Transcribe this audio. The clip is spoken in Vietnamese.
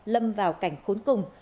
lâm vào cảnh khốn cùng